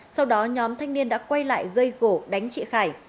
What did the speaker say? sau đó nhóm thanh niên đã quay lại gây gỗ đánh chị khải